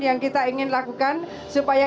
yang kita ingin lakukan supaya